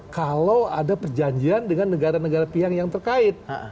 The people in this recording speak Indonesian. kalau ada perjanjian dengan negara negara pihak yang terkait